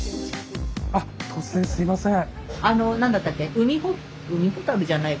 突然すいません。